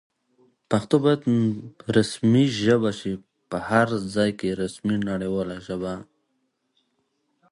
غږ باید په سم ډول ووځي.